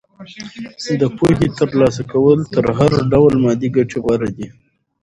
د پوهې ترلاسه کول تر هر ډول مادي ګټې غوره دي.